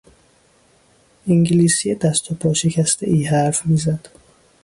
انگلیسی دست و پا شکستهای حرف میزد.